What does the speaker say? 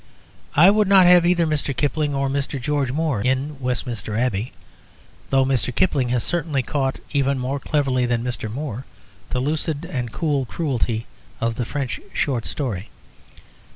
I would not have either Mr. Kipling or Mr. George Moore in Westminster Abbey, though Mr. Kipling has certainly caught even more cleverly than Mr. Moore the lucid and cool cruelty of the French short story.